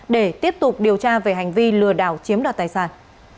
để tiếp tục điều tra về hành vi lừa đảo chiếm đoạt tài sản